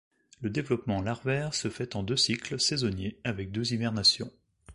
Le développement larvaire se fait en deux cycles saisonniers avec deux hivernations.